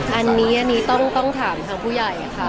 อันนี้ต้องถามทางผู้ใหญ่ค่ะ